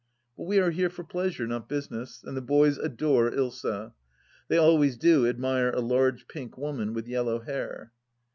But we are here for pleasure, not business, and the boys adore Ilsa. They always do admire a large pink woman with yellow hair.